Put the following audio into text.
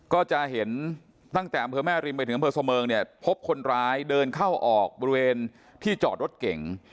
ก็จะเห็นตั้งแต่อำเภอแม่ริมไปถึงอำเภอเสมิงเนี่ยพบคนร้ายเดินเข้าออกบริเวณที่จอดรถเก่ง